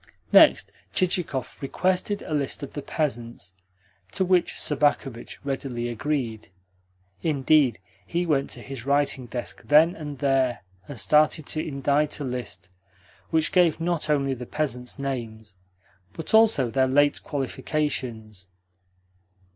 Next, Chichikov requested a list of the peasants; to which Sobakevitch readily agreed. Indeed, he went to his writing desk then and there, and started to indite a list which gave not only the peasants' names, but also their late qualifications.